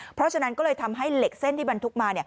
เพราะฉะนั้นก็เลยทำให้เหล็กเส้นที่บรรทุกมา